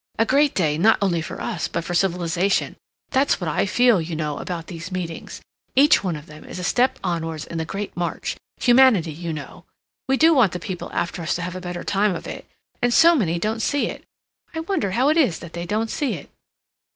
"A great day, not only for us, but for civilization. That's what I feel, you know, about these meetings. Each one of them is a step onwards in the great march—humanity, you know. We do want the people after us to have a better time of it—and so many don't see it. I wonder how it is that they don't see it?"